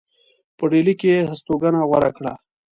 په ډهلي کې یې هستوګنه غوره کړه.